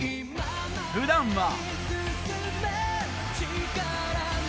普段は